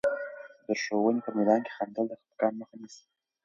د ښوونې په میدان کې خندل، د خفګان مخه نیسي.